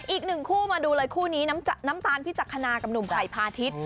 อีกหนึ่งคู่มาดูเลยคู่นี้น้ำตาลพิจักษณากับหนุ่มไผ่พาทิศ